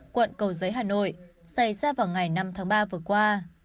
quận cầu giấy hà nội xảy ra vào ngày năm tháng ba vừa qua